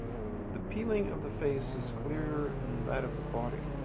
The peeling of the face is clearer than that of the body.